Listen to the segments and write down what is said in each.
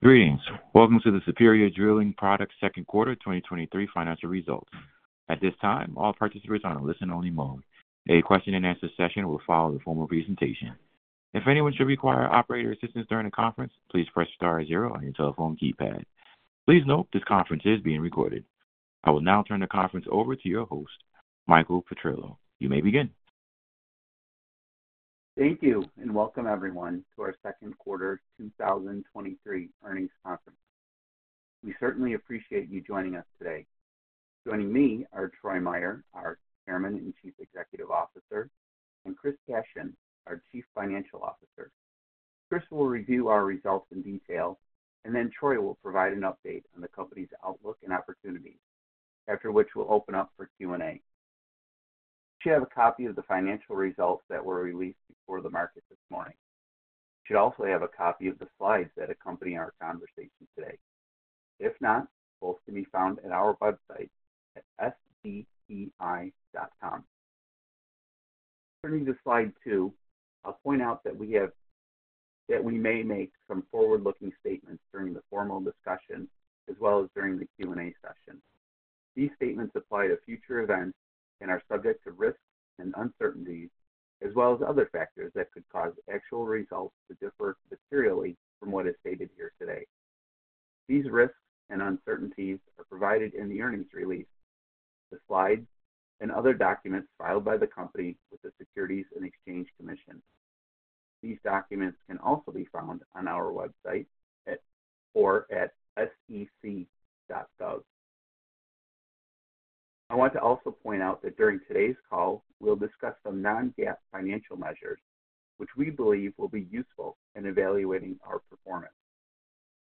Greetings. Welcome to the Superior Drilling Products Second Quarter 2023 Financial Results. At this time, all participants are on a listen-only mode. A question-and-answer session will follow the formal presentation. If anyone should require operator assistance during the conference, please press star zero on your telephone keypad. Please note, this conference is being recorded. I will now turn the conference over to your host, Michael Petrillo. You may begin. Thank you, and welcome everyone, to our second quarter 2023 earnings conference. We certainly appreciate you joining us today. Joining me are Troy Meier, our Chairman and Chief Executive Officer, and Chris Cashion, our Chief Financial Officer. Chris will review our results in detail, and then Troy will provide an update on the company's outlook and opportunities, after which we'll open up for Q&A. You should have a copy of the financial results that were released before the market this morning. You should also have a copy of the slides that accompany our conversation today. If not, both can be found at our website at sdrillingproducts.com. Turning to slide two, I'll point out that we may make some forward-looking statements during the formal discussion as well as during the Q&A session. These statements apply to future events and are subject to risks and uncertainties, as well as other factors that could cause actual results to differ materially from what is stated here today. These risks and uncertainties are provided in the earnings release, the slides, and other documents filed by the company with the Securities and Exchange Commission. These documents can also be found on our website at or at sec.gov. I want to also point out that during today's call, we'll discuss some non-GAAP financial measures, which we believe will be useful in evaluating our performance.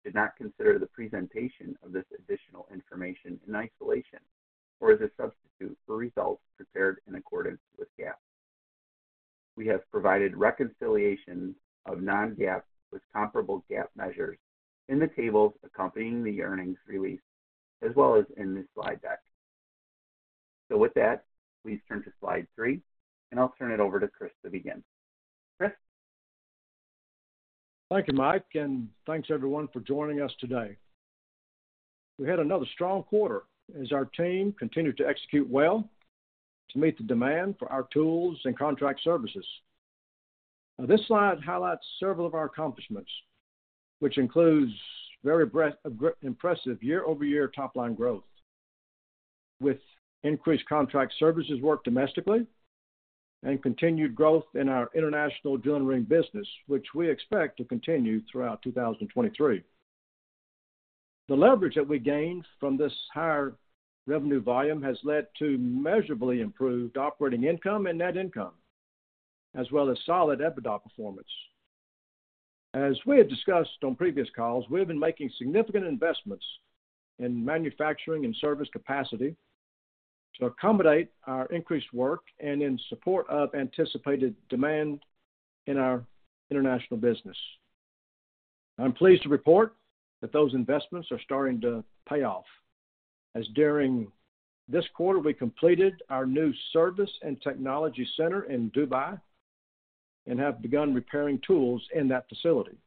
Do not consider the presentation of this additional information in isolation or as a substitute for results prepared in accordance with GAAP. We have provided reconciliations of non-GAAP with comparable GAAP measures in the tables accompanying the earnings release, as well as in this slide deck. With that, please turn to slide 3, and I'll turn it over to Chris to begin. Chris? Thank you, Mike, and thanks, everyone, for joining us today. We had another strong quarter as our team continued to execute well to meet the demand for our tools and contract services. This slide highlights several of our accomplishments, which includes very impressive year-over-year top-line growth, with increased contract services work domestically and continued growth in our international drilling business, which we expect to continue throughout 2023. The leverage that we gained from this higher revenue volume has led to measurably improved operating income and net income, as well as solid EBITDA performance. As we have discussed on previous calls, we have been making significant investments in manufacturing and service capacity to accommodate our increased work and in support of anticipated demand in our international business. I'm pleased to report that those investments are starting to pay off, as during this quarter, we completed our new service and technology center in Dubai and have begun repairing tools in that facility.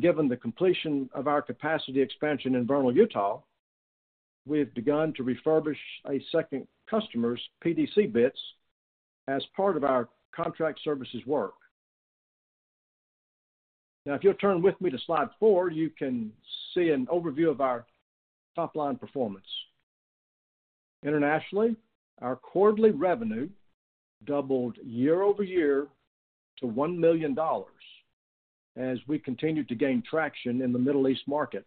Given the completion of our capacity expansion in Vernal, Utah, we have begun to refurbish a second customer's PDC bits as part of our contract services work. Now, if you'll turn with me to slide 4, you can see an overview of our top-line performance. Internationally, our quarterly revenue doubled year-over-year to $1 million as we continued to gain traction in the Middle East market.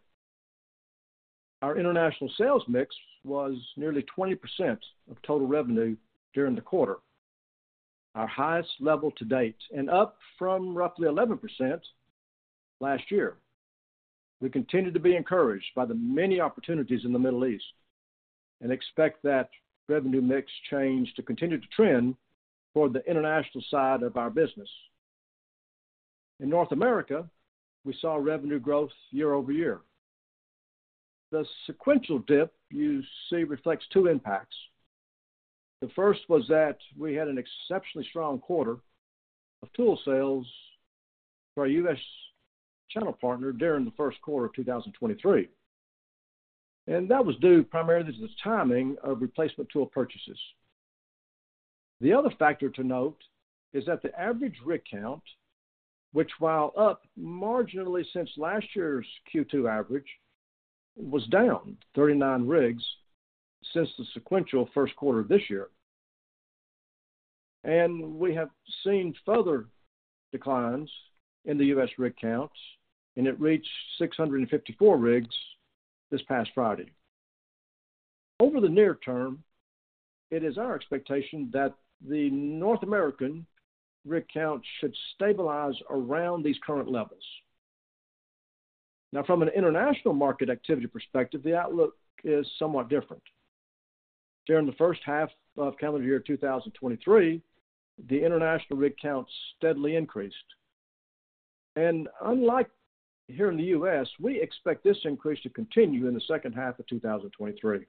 Our international sales mix was nearly 20% of total revenue during the quarter, our highest level to date, and up from roughly 11% last year. We continue to be encouraged by the many opportunities in the Middle East and expect that revenue mix change to continue to trend toward the international side of our business. In North America, we saw revenue growth year-over-year. The sequential dip you see reflects two impacts. The first was that we had an exceptionally strong quarter of tool sales to our US channel partner during the first quarter of 2023, and that was due primarily to the timing of replacement tool purchases. The other factor to note is that the average rig count, which while up marginally since last year's Q2 average, was down 39 rigs since the sequential first quarter of this year. We have seen further declines in the US rig counts, and it reached 654 rigs this past Friday. Over the near term, it is our expectation that the North American rig count should stabilize around these current levels. Now, from an international market activity perspective, the outlook is somewhat different. During the first half of calendar year 2023, the international rig count steadily increased. Unlike here in the U.S., we expect this increase to continue in the second half of 2023.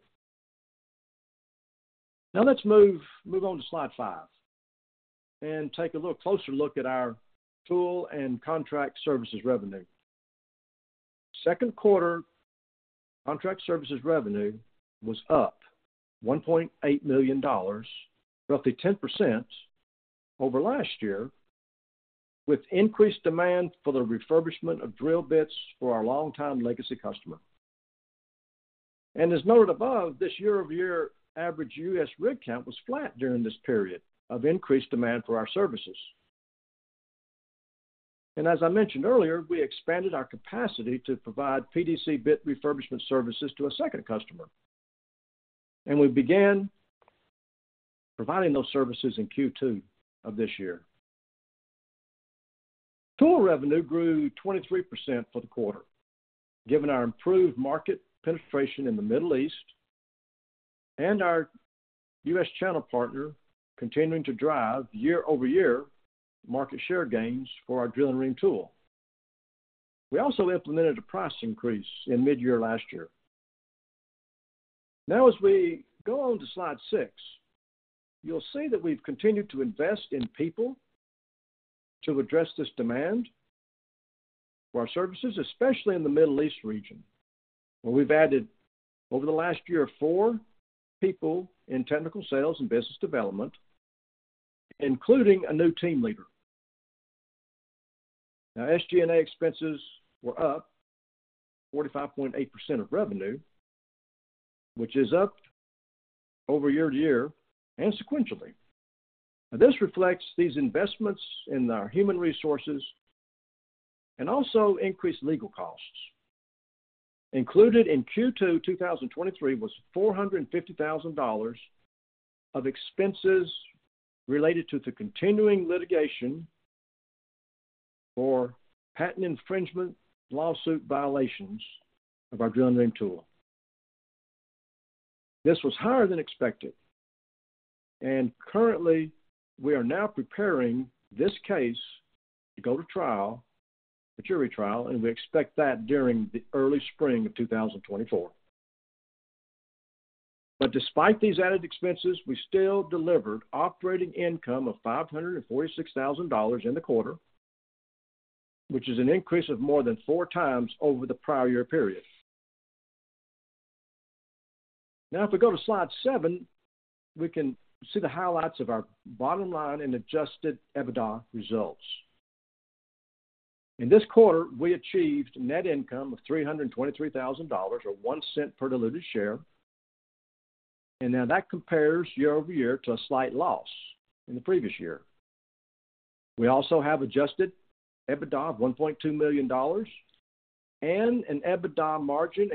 Now let's move on to slide 5, and take a little closer look at our tool and contract services revenue. Second quarter contract services revenue was up $1.8 million, roughly 10% over last year, with increased demand for the refurbishment of drill bits for our longtime legacy customer. As noted above, this year-over-year average U.S. rig count was flat during this period of increased demand for our services. As I mentioned earlier, we expanded our capacity to provide PDC bit refurbishment services to a second customer, and we began providing those services in Q2 of this year. Tool revenue grew 23% for the quarter, given our improved market penetration in the Middle East and our US channel partner continuing to drive year-over-year market share gains for our drilling rig tool. We also implemented a price increase in mid-year last year. As we go on to slide 6, you'll see that we've continued to invest in people to address this demand for our services, especially in the Middle East region, where we've added, over the last year, 4 people in technical sales and business development, including a new team leader. SG&A expenses were up 45.8% of revenue, which is up over year-to-year and sequentially. This reflects these investments in our human resources and also increased legal costs. Included in Q2 2023 was $450,000 of expenses related to the continuing litigation for patent infringement lawsuit violations of our drilling rig tool. This was higher than expected, and currently, we are now preparing this case to go to trial, a jury trial, and we expect that during the early spring of 2024. Despite these added expenses, we still delivered operating income of $546,000 in the quarter, which is an increase of more than four times over the prior year period. If we go to slide seven, we can see the highlights of our bottom line and Adjusted EBITDA results. In this quarter, we achieved net income of $323,000 or $0.01 per diluted share. That compares year-over-year to a slight loss in the previous year. We also have Adjusted EBITDA of $1.2 million and an EBITDA margin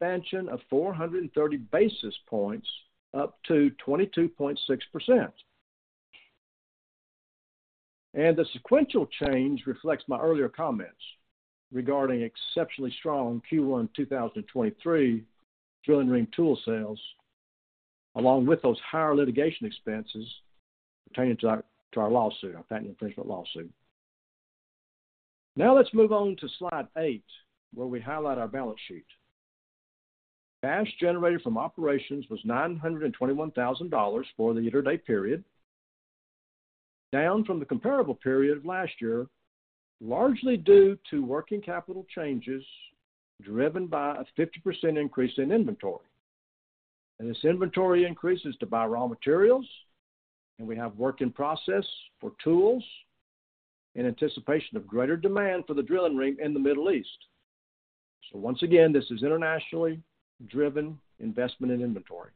expansion of 430 basis points, up to 22.6%. The sequential change reflects my earlier comments regarding exceptionally strong Q1 2023 drilling rig tool sales, along with those higher litigation expenses pertaining to our, to our lawsuit, our patent infringement lawsuit. Let's move on to slide eight, where we highlight our balance sheet. Cash generated from operations was $921,000 for the year-to-date period, down from the comparable period last year, largely due to working capital changes, driven by a 50% increase in inventory. This inventory increases to buy raw materials, and we have work in process for tools in anticipation of greater demand for the drilling rig in the Middle East. Once again, this is internationally driven investment in inventory.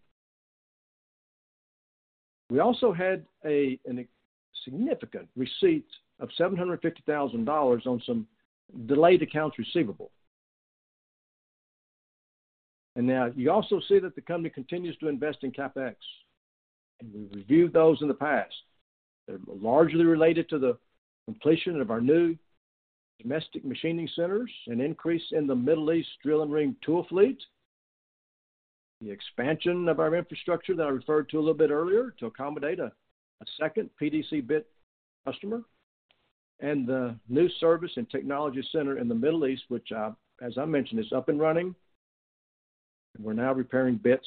We also had an significant receipt of $750,000 on some delayed accounts receivable. Now you also see that the company continues to invest in CapEx, and we've reviewed those in the past. They're largely related to the completion of our new domestic machining centers, an increase in the Middle East drill and rig tool fleet, the expansion of our infrastructure that I referred to a little bit earlier to accommodate a second PDC bit customer, and the new service and technology center in the Middle East, which, as I mentioned, is up and running. We're now repairing bits.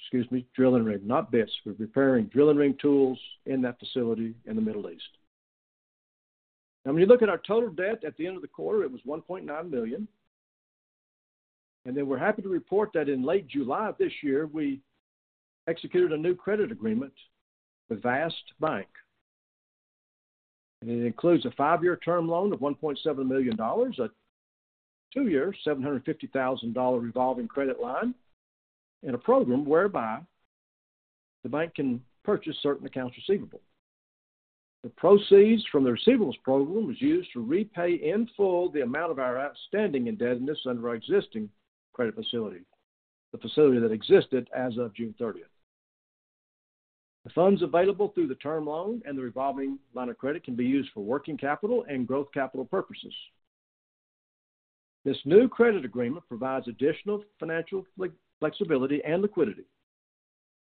Excuse me, drilling rig, not bits. We're repairing drilling rig tools in that facility in the Middle East. When you look at our total debt at the end of the quarter, it was $1.9 million. We're happy to report that in late July of this year, we executed a new credit agreement with Vast Bank. It includes a five-year term loan of $1.7 million, a two-year, $750,000 revolving credit line, and a program whereby the bank can purchase certain accounts receivable. The proceeds from the receivables program was used to repay in full the amount of our outstanding indebtedness under our existing credit facility, the facility that existed as of June 30th. The funds available through the term loan and the revolving line of credit can be used for working capital and growth capital purposes. This new credit agreement provides additional financial flexibility and liquidity,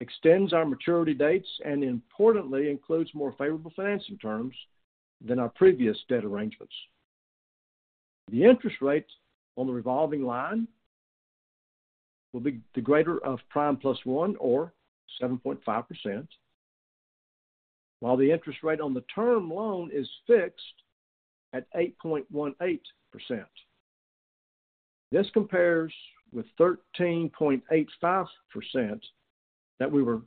extends our maturity dates, and importantly, includes more favorable financing terms than our previous debt arrangements. The interest rates on the revolving line will be the greater of prime plus one or 7.5%, while the interest rate on the term loan is fixed at 8.18%. This compares with 13.85% that we were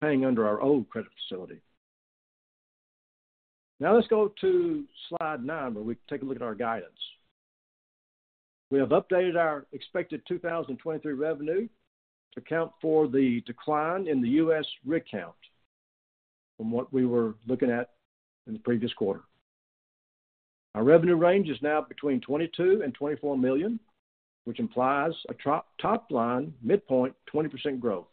paying under our old credit facility. Let's go to slide 9, where we take a look at our guidance. We have updated our expected 2023 revenue to account for the decline in the U.S. rig count from what we were looking at in the previous quarter. Our revenue range is now between $22 million-$24 million, which implies a top line midpoint 20% growth.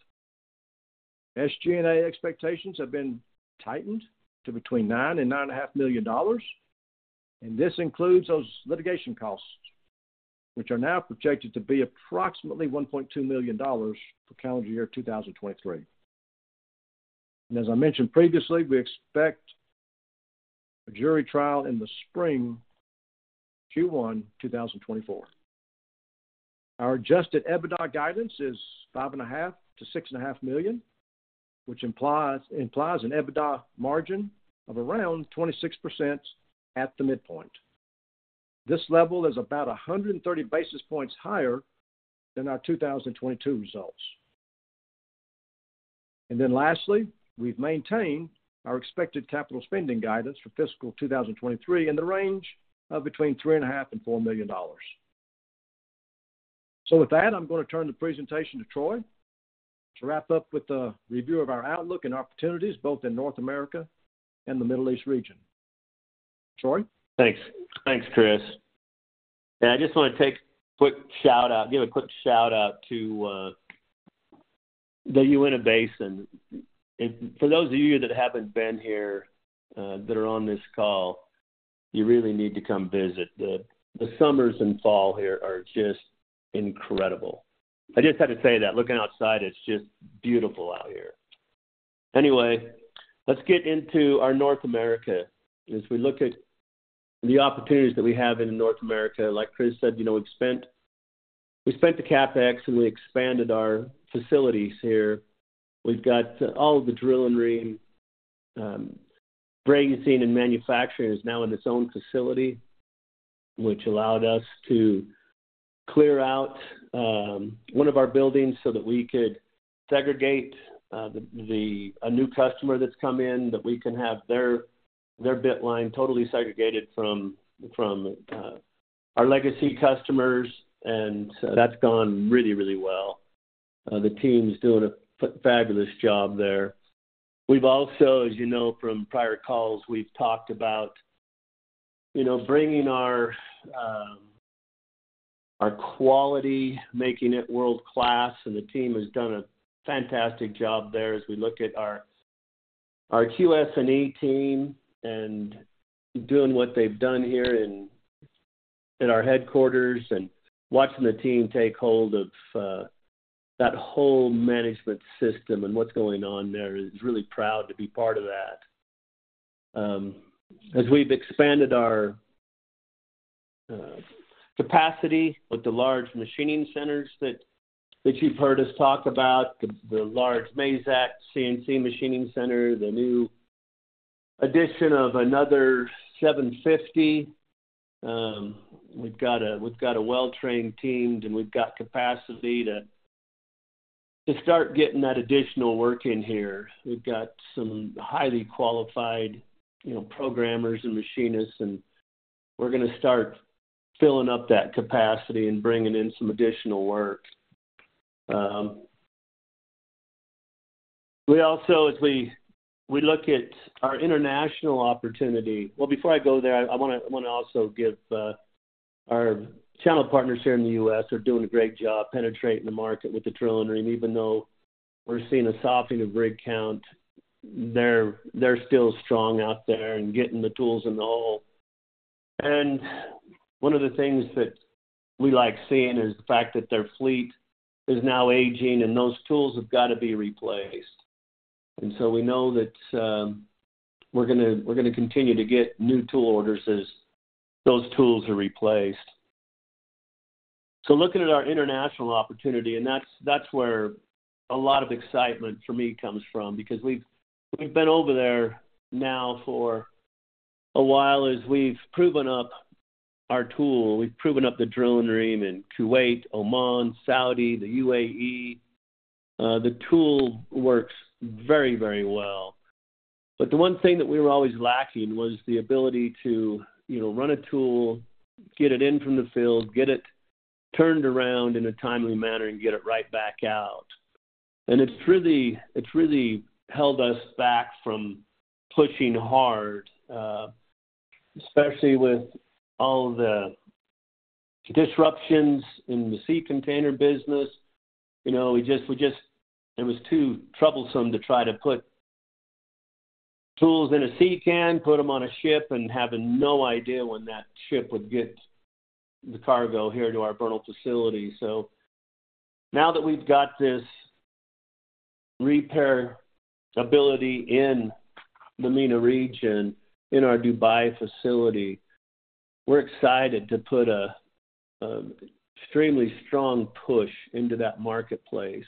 SG&A expectations have been tightened to between $9 million and $9.5 million, this includes those litigation costs, which are now projected to be approximately $1.2 million for calendar year 2023. As I mentioned previously, we expect a jury trial in the spring, Q1 2024. Our Adjusted EBITDA guidance is $5.5 million-$6.5 million, which implies an EBITDA margin of around 26% at the midpoint. This level is about 130 basis points higher than our 2022 results. Lastly, we've maintained our expected capital spending guidance for fiscal 2023 in the range of between $3.5 million and $4 million. With that, I'm going to turn the presentation to Troy to wrap up with the review of our outlook and opportunities both in North America and the Middle East region. Troy? Thanks. Thanks, Chris. I just want to give a quick shout out to the Uinta Basin. For those of you that haven't been here, that are on this call, you really need to come visit. The, the summers and fall here are just incredible. I just had to say that. Looking outside, it's just beautiful out here. Anyway, let's get into our North America. As we look at the opportunities that we have in North America, like Chris said, you know, we spent the CapEx, and we expanded our facilities here. We've got all of the Drill-N-Ream, breaking scene and manufacturing is now in its own facility, which allowed us to clear out one of our buildings so that we could segregate the, a new customer that's come in, that we can have their, their bit line totally segregated from, from our legacy customers, and that's gone really, really well. The team's doing a fabulous job there. We've also, as you know, from prior calls, we've talked about, you know, bringing our quality, making it world-class, and the team has done a fantastic job there as we look at our QS&A team and doing what they've done here in, in our headquarters and watching the team take hold of that whole management system and what's going on there, is really proud to be part of that. As we've expanded our capacity with the large machining centers that, that you've heard us talk about, the large Mazak CNC machining center, the new addition of another 750. We've got a well-trained team, and we've got capacity to start getting that additional work in here. We've got some highly qualified, you know, programmers and machinists, and we're gonna start filling up that capacity and bringing in some additional work. We also, as we look at our international opportunity... Well, before I go there, I wanna also give our channel partners here in the US are doing a great job penetrating the market with the Drill-N-Ream, even though we're seeing a softening of rig count. They're still strong out there and getting the tools in the hole. One of the things that we like seeing is the fact that their fleet is now aging, and those tools have got to be replaced. We know that we're gonna continue to get new tool orders as those tools are replaced. Looking at our international opportunity, and that's, that's where a lot of excitement for me comes from, because we've, we've been over there now for a while, as we've proven up our tool. We've proven up the Drill-N-Ream in Kuwait, Oman, Saudi, the UAE. The tool works very, very well. The one thing that we were always lacking was the ability to, you know, run a tool, get it in from the field, get it turned around in a timely manner, and get it right back out. It's really, it's really held us back from pushing hard, especially with all the disruptions in the sea container business. You know, it was too troublesome to try to put tools in a sea can, put them on a ship, and having no idea when that ship would get the cargo here to our Vernal facility. Now that we've got repair ability in the MENA region, in our Dubai facility. We're excited to put a extremely strong push into that marketplace.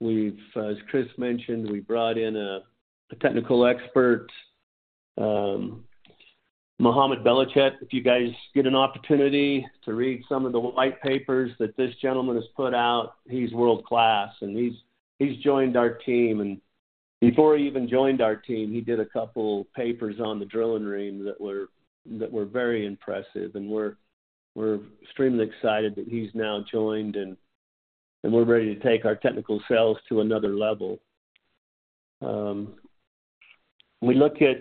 We've, as Chris mentioned, we brought in a technical expert, Mohammed Belalchat. If you guys get an opportunity to read some of the white papers that this gentleman has put out, he's world-class, and he's, he's joined our team. Before he even joined our team, he did a couple papers on the drilling reams that were very impressive, and we're extremely excited that he's now joined, and we're ready to take our technical sales to another level. We look at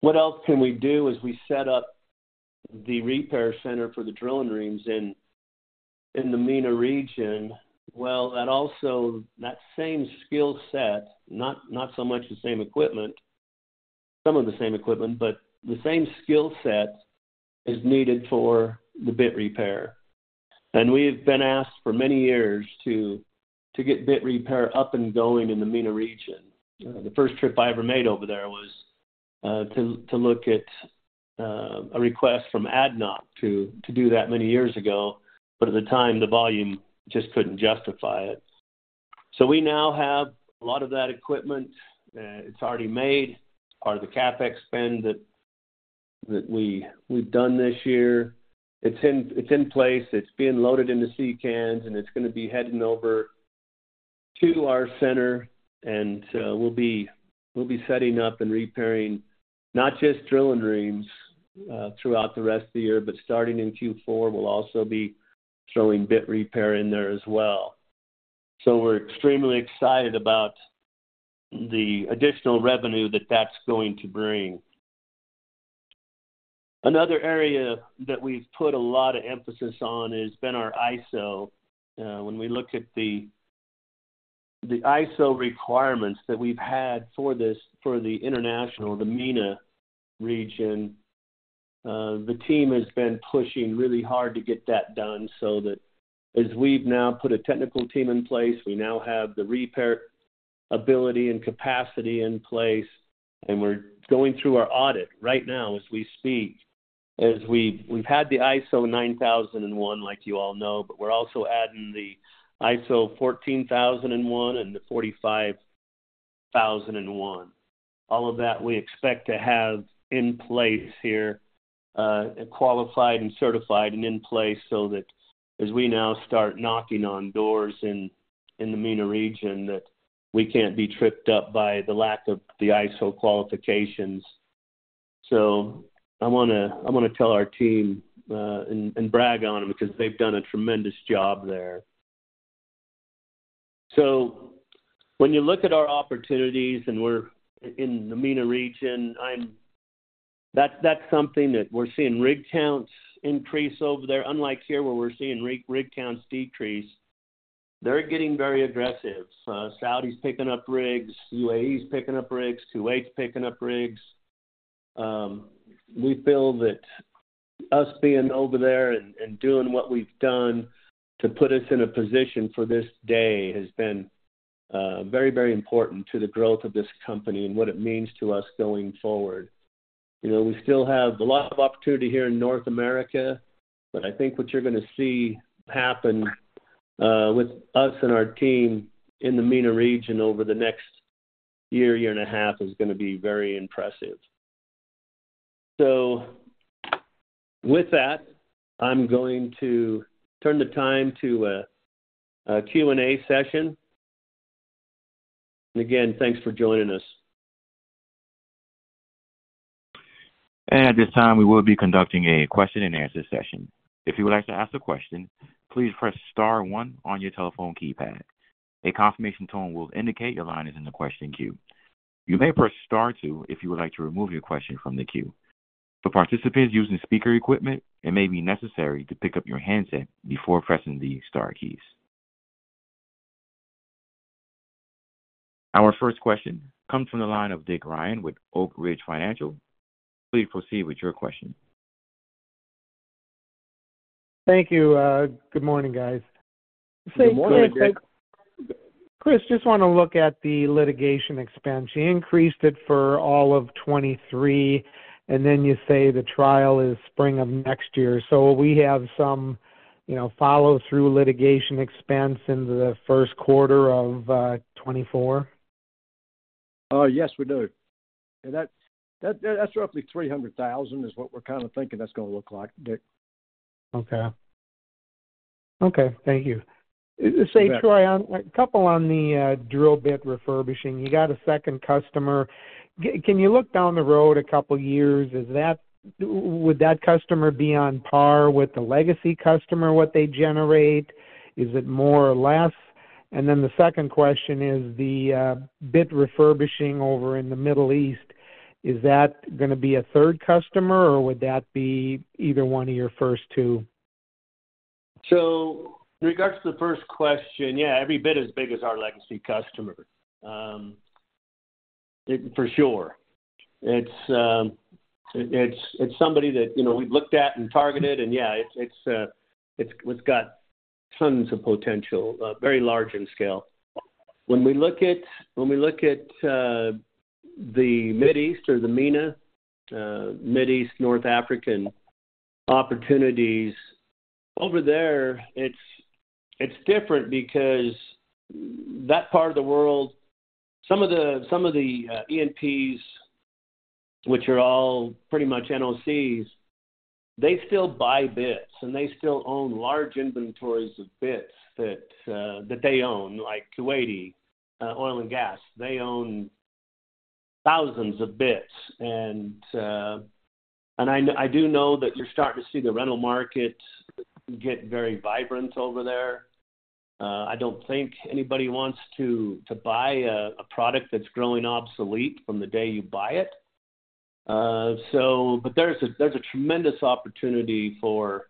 what else can we do as we set up the repair center for the drilling reams in the MENA region. Well, that same skill set, not so much the same equipment, some of the same equipment, but the same skill set is needed for the bit repair. We've been asked for many years to get bit repair up and going in the MENA region. The first trip I ever made over there was to look at a request from Abu Dhabi National Oil Company (ADNOC) to do that many years ago, but at the time, the volume just couldn't justify it. We now have a lot of that equipment. It's already made, part of the CapEx spend that we've done this year. It's in, it's in place, it's being loaded into sea cans, and it's gonna be heading over to our center. We'll be setting up and repairing not just Drill-N-Reams throughout the rest of the year, but starting in Q4, we'll also be throwing bit repair in there as well. We're extremely excited about the additional revenue that's going to bring. Another area that we've put a lot of emphasis on has been our ISO. When we look at the, the ISO requirements that we've had for this, for the international, the MENA region, the team has been pushing really hard to get that done so that as we've now put a technical team in place, we now have the repair ability and capacity in place, and we're going through our audit right now as we speak. We've had the ISO 9001, like you all know, but we're also adding the ISO 14001 and the ISO 45001. All of that we expect to have in place here, qualified and certified and in place so that as we now start knocking on doors in, in the MENA region, that we can't be tripped up by the lack of the ISO qualifications. I wanna, I wanna tell our team, and brag on them because they've done a tremendous job there. When you look at our opportunities and we're in the MENA region, that's, that's something that we're seeing rig counts increase over there, unlike here, where we're seeing rig, rig counts decrease. They're getting very aggressive. Saudi's picking up rigs, UAE's picking up rigs, Kuwait's picking up rigs. We feel that us being over there and doing what we've done to put us in a position for this day has been very, very important to the growth of this company and what it means to us going forward. You know, we still have a lot of opportunity here in North America, but I think what you're gonna see happen with us and our team in the MENA region over the next year, year and a half, is gonna be very impressive. With that, I'm going to turn the time to a Q&A session. Again, thanks for joining us. At this time, we will be conducting a question-and-answer session. If you would like to ask a question, please press star one on your telephone keypad. A confirmation tone will indicate your line is in the question queue. You may press star two if you would like to remove your question from the queue. For participants using speaker equipment, it may be necessary to pick up your handset before pressing the star keys. Our first question comes from the line of Dick Ryan with Oak Ridge Financial. Please proceed with your question. Thank you. Good morning, guys. Good morning, Dick. Chris, just wanna look at the litigation expense. You increased it for all of 2023. You say the trial is spring of next year. Will we have some, you know, follow-through litigation expense in the first quarter of 2024? Yes, we do. That, that, that's roughly $300,000 is what we're kind of thinking that's gonna look like, Dick. Okay. Okay, thank you. You bet. Say, Troy, a couple on the drill bit refurbishing. You got a second customer. Can you look down the road a couple of years? Would that customer be on par with the legacy customer, what they generate? Is it more or less? The second question is the bit refurbishing over in the Middle East, is that gonna be a third customer, or would that be either one of your first two? In regards to the first question, yeah, every bit is big as our legacy customer. For sure. It's somebody that, you know, we've looked at and targeted, and, yeah, it's. We've got tons of potential, very large in scale. When we look at the Middle East or the MENA, Middle East, North African opportunities, over there, it's different because that part of the world, some of the, some of the E&Ps, which are all pretty much NOCs, they still buy bits, and they still own large inventories of bits that they own, like Kuwaiti Oil and Gas. They own thousands of bits. I do know that you're starting to see the rental market get very vibrant over there. I don't think anybody wants to, to buy a, a product that's growing obsolete from the day you buy it. There's a tremendous opportunity for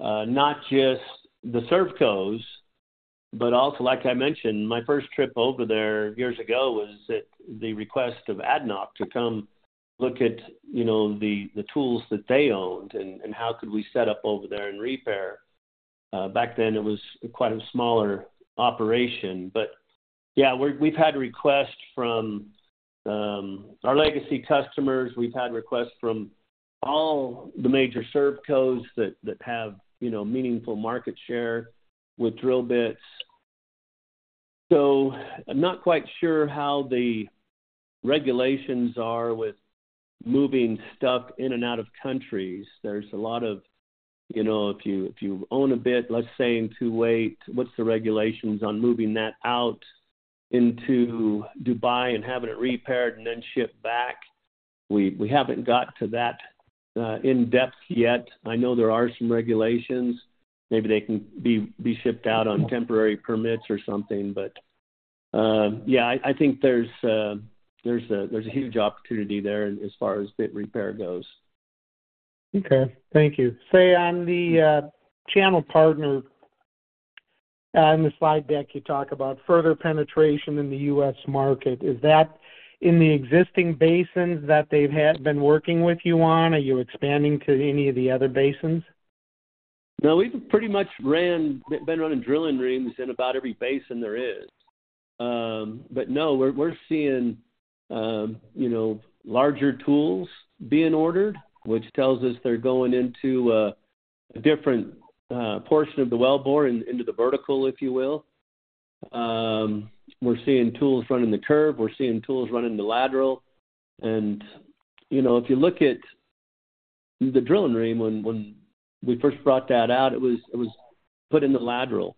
not just the servcos, but also, like I mentioned, my first trip over there years ago was at the request of Abu Dhabi National Oil Company (ADNOC) to come look at, you know, the, the tools that they owned and, and how could we set up over there and repair. Back then, it was quite a smaller operation. Yeah, we've had requests from our legacy customers. We've had requests from all the major servcos that, that have, you know, meaningful market share with drill bits. I'm not quite sure how the regulations are with moving stuff in and out of countries. There's a lot of... You know, if you, if you own a bit, let's say, in Kuwait, what's the regulations on moving that out into Dubai and having it repaired and then shipped back? We, we haven't got to that in-depth yet. I know there are some regulations. Maybe they can be shipped out on temporary permits or something, but, yeah, I, I think there's, there's a, there's a huge opportunity there as far as bit repair goes. Okay. Thank you. Say, on the channel partner, on the slide deck, you talk about further penetration in the U.S. market. Is that in the existing basins that they've had been working with you on? Are you expanding to any of the other basins? No, we've pretty much been running drilling rigs in about every basin there is. No, we're, we're seeing, you know, larger tools being ordered, which tells us they're going into a, a different portion of the wellbore into the vertical, if you will. We're seeing tools run in the curve. We're seeing tools run in the lateral. You know, if you look at the Drill-N-Ream, when, when we first brought that out, it was, it was put in the lateral,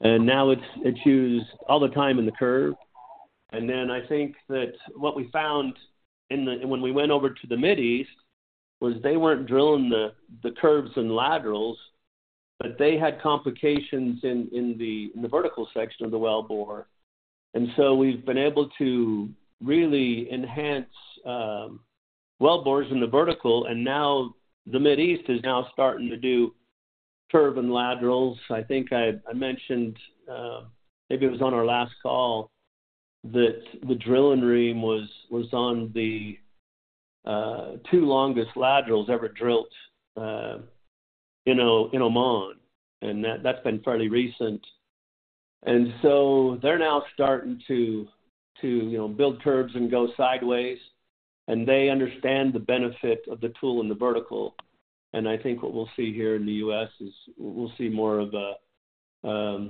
and now it's, it's used all the time in the curve. I think that what we found in the when we went over to the Middle East, was they weren't drilling the, the curves and laterals, but they had complications in, in the, in the vertical section of the wellbore. So we've been able to really enhance, wellbores in the vertical, and now the Middle East is now starting to do curve and laterals. I think I, I mentioned, maybe it was on our last call, that the Drill-N-Ream was, was on the, 2 longest laterals ever drilled, in Oman, and that's been fairly recent. So they're now starting to, you know, build curves and go sideways, and they understand the benefit of the tool in the vertical. I think what we'll see here in the US is we'll see more of a,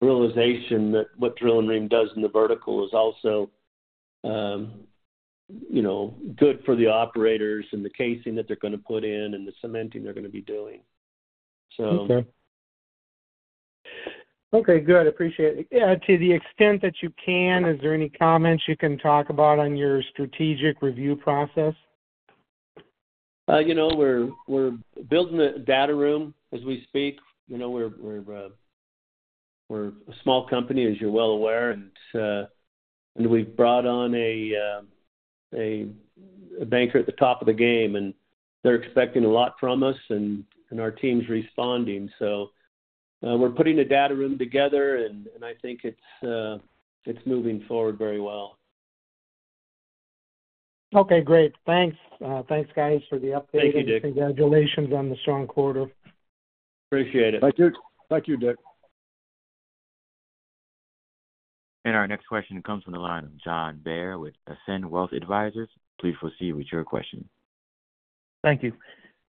realization that what Drill-N-Ream does in the vertical is also, you know, good for the operators and the casing that they're gonna put in and the cementing they're gonna be doing. Okay. Okay, good. Appreciate it. To the extent that you can, is there any comments you can talk about on your strategic review process? You know, we're, we're building a data room as we speak. You know, we're, we're, we're a small company, as you're well aware, and we've brought on a banker at the top of the game, and they're expecting a lot from us, and our team's responding. We're putting the data room together, and I think it's moving forward very well. Okay, great. Thanks. Thanks, guys, for the update. Thank you, Dick. Congratulations on the strong quarter. Appreciate it. Thank you. Thank you, Dick. Our next question comes from the line of John Bair with Ascend Wealth Advisors. Please proceed with your question. Thank you.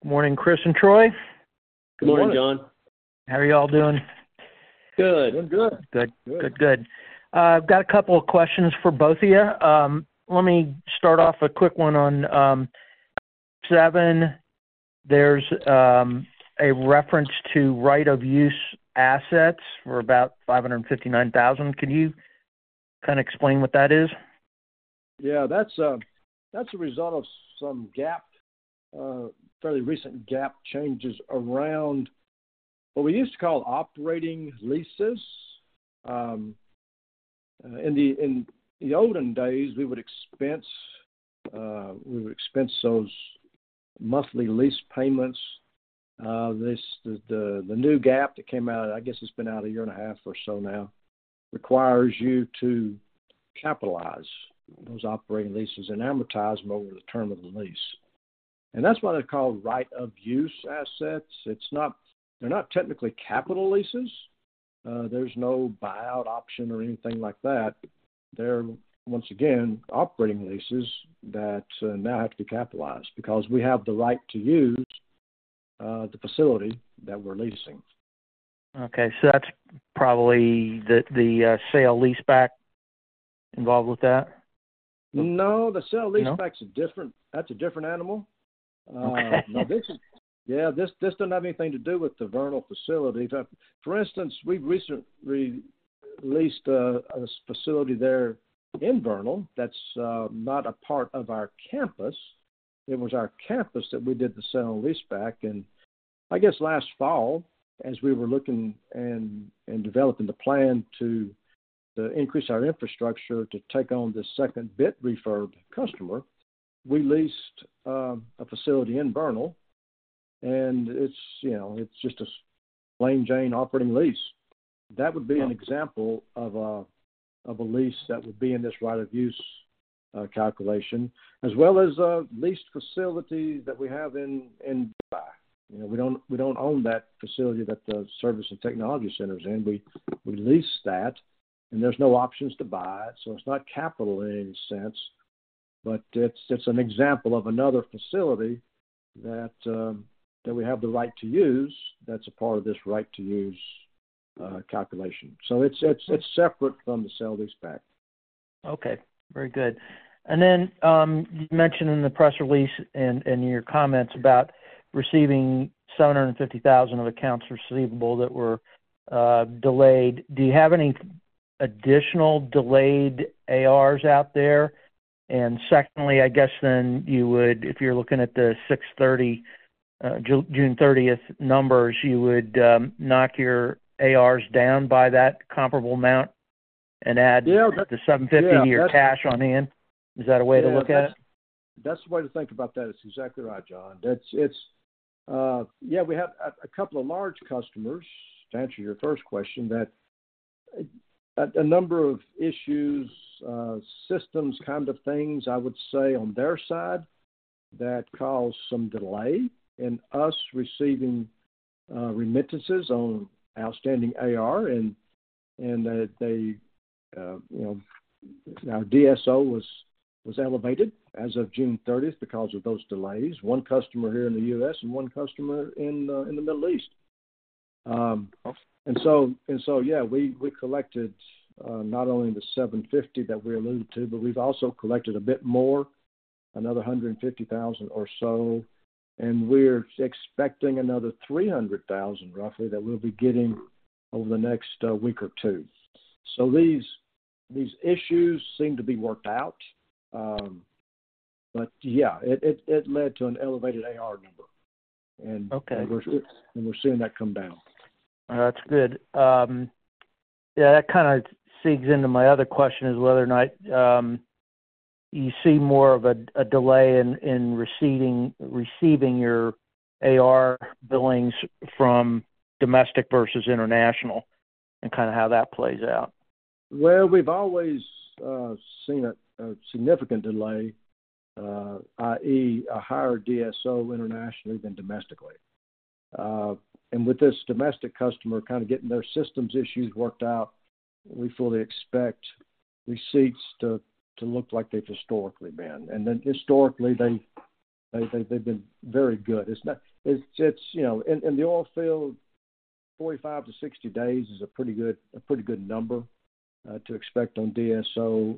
Morning, Chris and Troy. Good morning, John. How are you all doing? Good. I'm good. Good. Good, good. I've got a couple of questions for both of you. Let me start off a quick one on 7. There's a reference to right-of-use assets for about $559,000. Could you kind of explain what that is? Yeah. That's a, that's a result of some GAAP, fairly recent GAAP changes around what we used to call operating leases. In the olden days, we would expense those monthly lease payments. This, the, the, the new GAAP that came out, I guess it's been out a year and a half or so now, requires you to capitalize those operating leases and amortize them over the term of the lease. And that's why they're called right-of-use assets. They're not technically capital leases. There's no buyout option or anything like that. They're, once again, operating leases that now have to be capitalized because we have the right to use the facility that we're leasing. Okay, that's probably the, the, sale-leaseback involved with that? No, the sale-leaseback- No? is different. That's a different animal. No, this... Yeah, this, this doesn't have anything to do with the Vernal facility. For instance, we've recently leased a facility there in Vernal that's not a part of our campus. It was our campus that we did the sale-leaseback. I guess last fall, as we were looking and developing the plan to increase our infrastructure to take on this second bit refurb customer, we leased a facility in Vernal, and it's, you know, it's just a plain Jane operating lease. That would be an example of a lease that would be in this right-of-use calculation, as well as a leased facility that we have in, in. You know, we don't, we don't own that facility that the service and technology center is in. We, we lease that. There's no options to buy it, so it's not capital in any sense, but it's, it's an example of another facility that, that we have the right to use. That's a part of this right to use calculation. It's, it's, it's separate from the sale-leaseback. Okay, very good. Then you mentioned in the press release and in your comments about receiving $750,000 of accounts receivable that were delayed. Do you have any additional delayed ARs out there? Secondly, I guess then you would, if you're looking at the June 30, June 30 numbers, you would knock your ARs down by that comparable amount and add- Yeah. The 750 year Cashion in. Is that a way to look at it? That's the way to think about that. It's exactly right, John. It's, it's. Yeah, we have a couple of large customers, to answer your first question, that a number of issues, systems kind of things, I would say, on their side, that caused some delay in us receiving remittances on outstanding AR. That they, you know, our DSO was elevated as of June 30th because of those delays. One customer here in the US and one customer in the Middle East. So, and so, yeah, we collected not only the $750 that we alluded to, but we've also collected a bit more, another $150,000 or so, and we're expecting another $300,000, roughly, that we'll be getting over the next week or two. These, these issues seem to be worked out. But yeah, it, it, it led to an elevated AR number. Okay. We're seeing that come down. That's good. Yeah, that kinda segues into my other question is, whether or not, you see more of a, a delay in, in receiving, receiving your AR billings from domestic versus international, and kinda how that plays out? Well, we've always seen a significant delay, i.e., a higher DSO internationally than domestically. With this domestic customer kind of getting their systems issues worked out, we fully expect receipts to look like they've historically been. Then historically, they've been very good. It's not, it's, it's, you know, in the oil field, 45-60 days is a pretty good, a pretty good number to expect on DSO.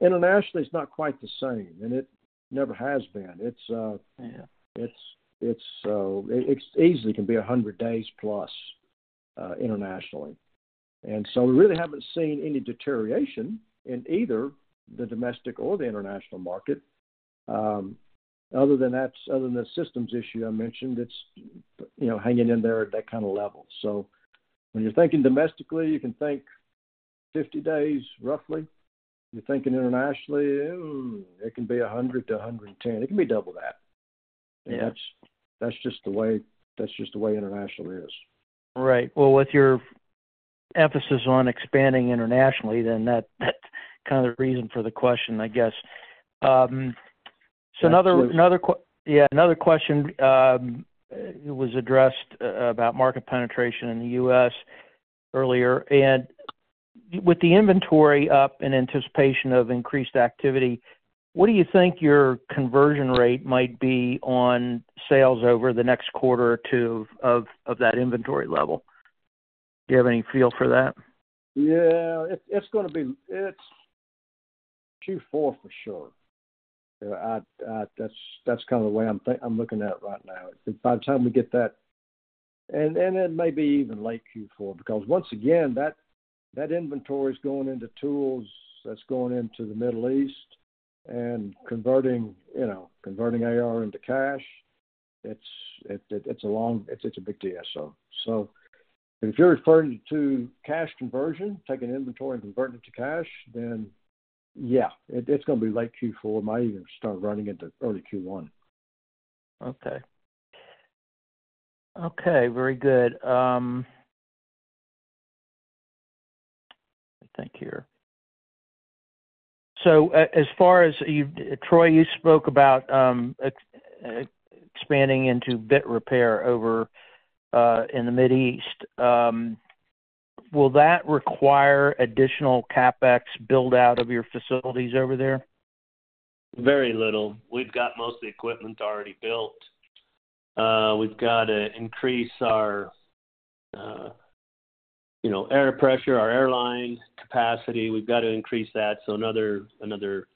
Internationally, it's not quite the same, and it never has been. It's- Yeah... it's, it's, it, it easily can be 100 days plus, internationally. We really haven't seen any deterioration in either the domestic or the international market. Other than that, other than the systems issue I mentioned, it's, you know, hanging in there at that kind of level. When you're thinking domestically, you can think 50 days, roughly. You're thinking internationally, it can be 100-110. It can be double that. Yeah. That's, that's just the way, that's just the way internationally is. Right. Well, with your emphasis on expanding internationally, then that, that's kind of the reason for the question, I guess. another- Absolutely. Yeah, another question, it was addressed about market penetration in the US earlier. With the inventory up in anticipation of increased activity, what do you think your conversion rate might be on sales over the next quarter or 2 of, of, of that inventory level? Do you have any feel for that? Yeah, it's, it's gonna be... It's Q4 for sure. I, that's kind of the way I'm think- I'm looking at it right now. By the time we get that, and it may be even late Q4, because once again, that inventory is going into tools, that's going into the Middle East and converting, you know, converting AR into cash.... It's a long, it's a big deal. If you're referring to cash conversion, taking inventory and converting it to cash, then yeah, it's gonna be late Q4. It might even start running into early Q1. Okay. Okay, very good. Let me think here. So, as far as you've-- Troy, you spoke about expanding into bit repair over in the Middle East. Will that require additional CapEx build-out of your facilities over there? Very little. We've got most of the equipment already built. We've got to increase our, you know, air pressure, our airline capacity. We've got to increase that, so another, another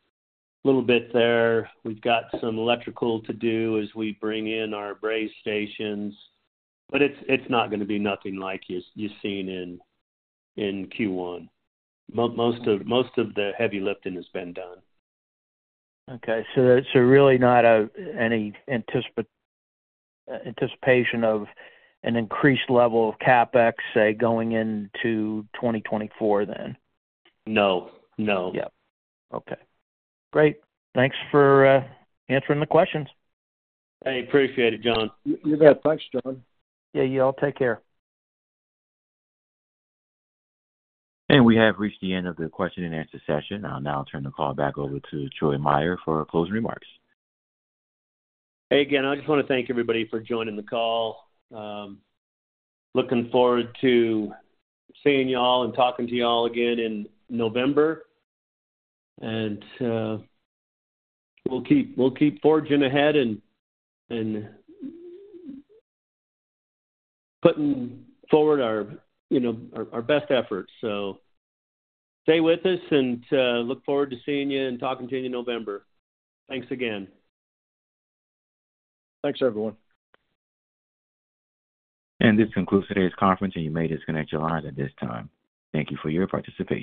little bit there. We've got some electrical to do as we bring in our braze stations, but it's, it's not gonna be nothing like you, you've seen in, in Q1. Most of, most of the heavy lifting has been done. Okay, so really not any anticipation of an increased level of CapEx, say, going into 2024 then? No. No. Yeah. Okay, great. Thanks for answering the questions. I appreciate it, John. You bet. Thanks, John. Yeah, y'all take care. We have reached the end of the question and answer session. I'll now turn the call back over to Troy Meier for closing remarks. Hey, again, I just want to thank everybody for joining the call. Looking forward to seeing you all and talking to you all again in November. We'll keep forging ahead and putting forward our, you know, our best efforts. Stay with us, and look forward to seeing you and talking to you in November. Thanks again. Thanks, everyone. This concludes today's conference, and you may disconnect your lines at this time. Thank you for your participation.